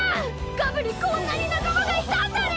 ガブにこんなになかまがいたんだね！